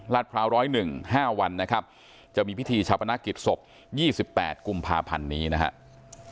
ราชพระร้อยหนึ่ง๕วันนะครับจะมีพิธีชัพพนาคิดศพ๒๘กุมภาพันธ์นี้นะครับ